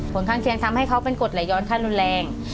ผลข้างเคียงทำให้เขาเป็นกฎไหลย้อนขั้นรุนแรง